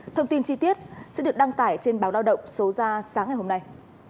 thông tin chi tiết sẽ được đăng tải trên báo lao động số ra sáng ngày hôm nay